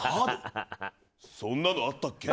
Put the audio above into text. そんなのあったっけ？